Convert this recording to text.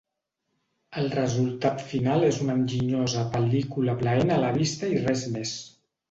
El resultat final és una enginyosa pel·lícula plaent a la vista i res més.